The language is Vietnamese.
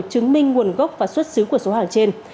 chứng minh nguồn gốc và xuất xứ của số hàng trên